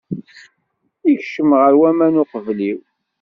Yekcem ɣer waman uqbel-iw.